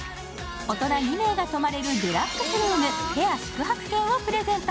大人２名が泊まれるデラックスルーム、ペア宿泊券をプレゼント。